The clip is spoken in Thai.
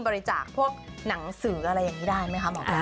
บริจาคพวกหนังสืออะไรอย่างนี้ได้ไหมคะหมอปลา